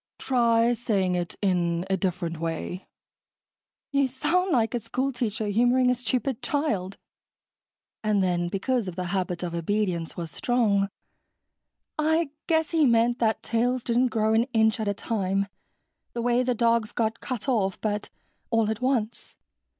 "Try saying it in a different way." "You sound like a school teacher humoring a stupid child." And then, because of the habit of obedience was strong, "I guess he meant that tails didn't grow an inch at a time, the way the dog's got cut off, but all at once